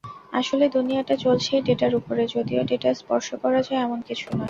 আসলে দুনিয়াটা চলছেই ডেটার উপরে, যদিও ডেটা স্পর্শ করা যায় এমন কিছু নয়।